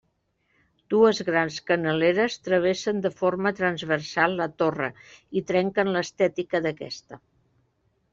Dues grans canaleres travessen de forma transversal la torre i trenquen l'estètica d'aquesta.